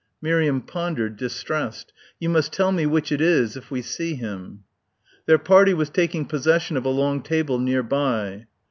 Miriam pondered, distressed. "You must tell me which it is if we see him." Their party was taking possession of a long table near by.